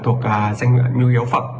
thuộc danh nhu yếu phận